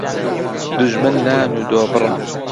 دوژمن نان و دۆ بڕە